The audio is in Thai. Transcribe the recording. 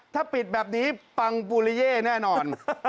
ถ้าปิดแบบนี้ปังปุริเย่แน่นอน